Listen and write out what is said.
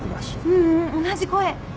ううん同じ声。